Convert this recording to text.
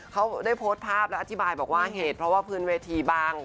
เขาได้โพสต์ภาพและอธิบายบอกว่าเหตุเพราะว่าพื้นเวทีบาง